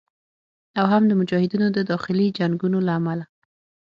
او هم د مجاهدینو د داخلي جنګونو له امله